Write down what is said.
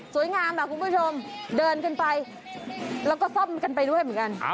งามคุณผู้ชมเดินกันไปแล้วก็ซ่อมกันไปด้วยเหมือนกัน